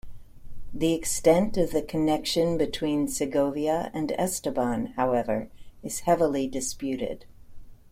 The extent of the connection between Segovia and Esteban, however, is heavily disputed.